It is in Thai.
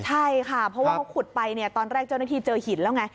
ใช่ค่ะเพราะว่าเขาขุดไปเนี่ยตอนแรกเจ้าหน้าที่เจอหินแล้วไง